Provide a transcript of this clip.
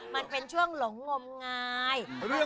มันเป็นช่วงหลงงมงาย